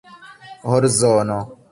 horzono